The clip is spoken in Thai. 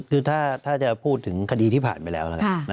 คือถ้าจะพูดถึงคดีที่ผ่านไปแล้วนะคะ